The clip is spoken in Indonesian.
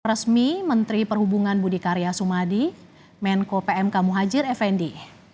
resmi menteri perhubungan budi karya sumadi menko pmk muhajir effendi